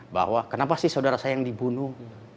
bahwa kenapa sih saudara saya yang dibunuh